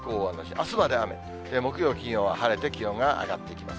あすまで雨、木曜、金曜は晴れて気温が上がっていきます。